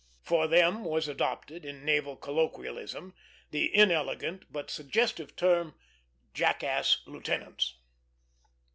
For them was adopted, in naval colloquialism, the inelegant but suggestive term "jackass" lieutenants.